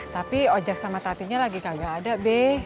tapi ojek sama tatinya lagi kagak ada b